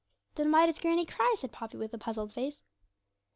'Then why does granny cry?' said Poppy, with a puzzled face.